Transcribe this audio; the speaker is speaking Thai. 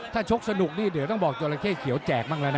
ถ้าชกสนุกนี่เดี๋ยวต้องบอกจราเข้เขียวแจกบ้างแล้วนะ